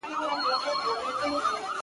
لکه ګُل د کابل حورو به څارلم!.